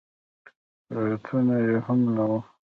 برېتونه يې هم نه وو.